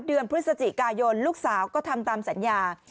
เดือนพฤศจิกายนลูกสาวก็ทำตามสัญญา